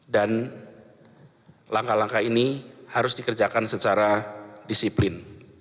dan langkah langkah ini harus dikerjakan secara disiplin